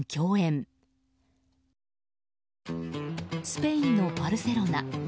スペインのバルセロナ。